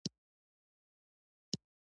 په دې کې د مورګان په ګډون نور سوداګر هم وو